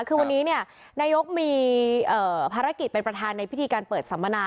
คือวันนี้นายกมีภารกิจเป็นประธานในพิธีการเปิดสัมมนา